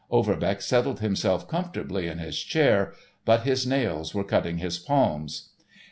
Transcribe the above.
Overbeck settled himself comfortably in his chair, but his nails were cutting his palms.